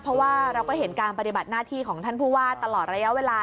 เพราะว่าเราก็เห็นการปฏิบัติหน้าที่ของท่านผู้ว่าตลอดระยะเวลา